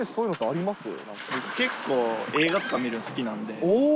あ結構、映画とか見るの好きなんで。